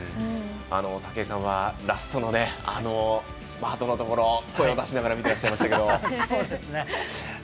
武井さんはラストのスパートのところ声を出しながら見ていらっしゃいましたが。